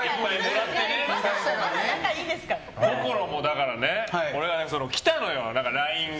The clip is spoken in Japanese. こゝろも来たのよ、ＬＩＮＥが。